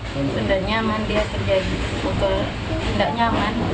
sebenarnya dia terjadi untuk tidak nyaman